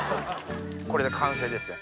これで完成ですね。